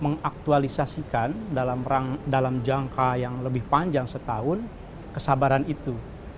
mengaktualisasikan dalam jangka yang lebih panjang setahun kesabaran itu